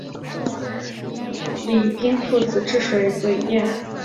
建在都江堰渠首的二王庙是老百姓对李冰父子治水伟业的纪念。